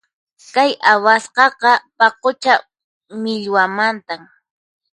Kay awasqaqa paqucha millwamantam.